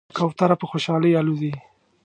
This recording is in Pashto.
کوتره په خوشحالۍ الوزي.